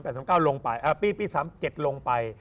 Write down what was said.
ใช่ปี๓๗๓๘ลงไป